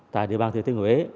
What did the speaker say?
tại địa bàn thế thế huế